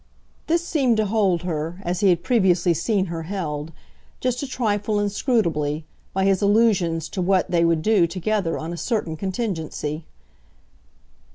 This seemed to hold her as he had previously seen her held, just a trifle inscrutably, by his allusions to what they would do together on a certain contingency.